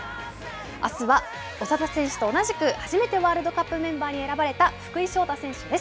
あすは長田選手と同じく初めてワールドカップメンバーに選ばれた福井翔大選手です。